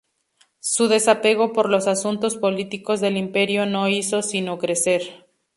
Su desapego por los asuntos políticos del imperio no hizo sino crecer.